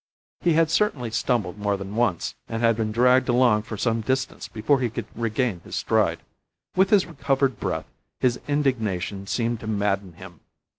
He had certainly stumbled more than once, and had been dragged along for some distance before he could regain his stride. With his recovered breath his indignation seemed to madden him.